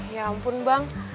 ya ampun bang